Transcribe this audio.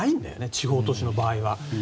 地方都市の場合は。